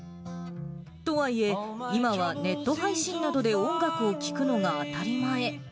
とはいえ、今はネット配信などで音楽を聴くのが当たり前。